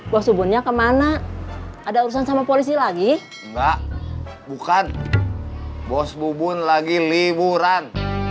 bos subunnya kemana ada urusan sama polisi lagi mbak bukan bos bubun lagi liburan